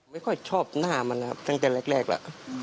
ไม่ค่อยชอบหน้ามันแน่ประจำจากแรกละ